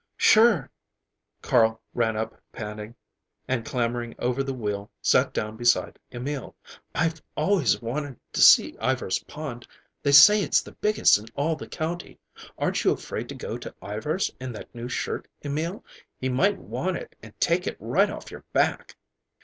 "Sure." Carl ran up panting, and clambering over the wheel sat down beside Emil. "I've always wanted to see Ivar's pond. They say it's the biggest in all the country. Aren't you afraid to go to Ivar's in that new shirt, Emil? He might want it and take it right off your back."